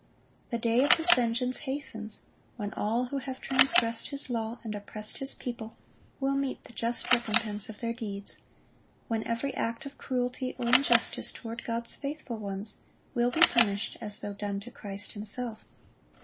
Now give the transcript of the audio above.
The day of His vengeance hastens, when all who have transgressed His law and oppressed His people will meet the just recompense of their deeds; when every act of cruelty or injustice toward God's faithful ones will be punished as though done to Christ Himself.